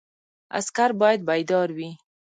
عسکر باید بیدار وي